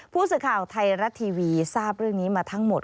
ผู้สื่อข่าวไทยรัฐทีวีทราบเรื่องนี้มาทั้งหมด